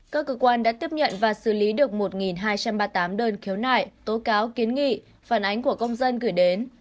các cơ quan đã tiếp nhận và xử lý được một hai trăm ba mươi tám đơn khiếu nại tố cáo kiến nghị phản ánh của công dân gửi đến